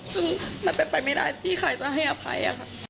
ซึ่งมันเป็นไปไม่ได้ที่ใครจะให้อภัย